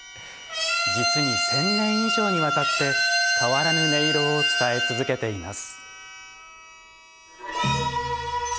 実に１，０００年以上にわたって変わらぬ音色を伝え続けています。